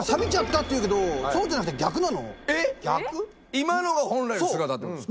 今のが本来の姿ってことですか。